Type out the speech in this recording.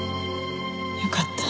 よかった。